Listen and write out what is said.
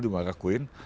di marah kuin